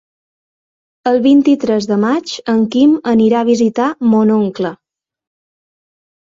El vint-i-tres de maig en Quim anirà a visitar mon oncle.